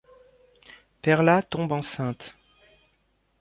Perla tombe enceinte.